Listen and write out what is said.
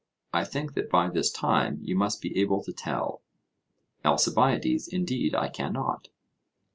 I think that by this time you must be able to tell. ALCIBIADES: Indeed I cannot.